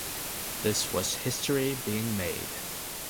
This was history being made.